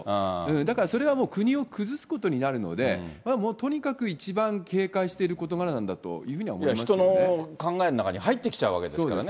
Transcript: だからそれはもう国を崩すことになるので、とにかく一番警戒している事柄なんだというふうには思いますけど人の考えの中に入ってきちゃうわけですからね。